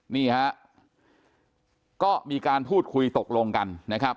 นี่ฮะก็มีการพูดคุยตกลงกันนะครับ